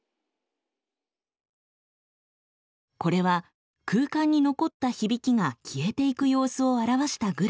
これは空間に残った響きが消えていく様子を表したグラフ。